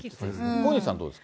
小西さん、どうですか？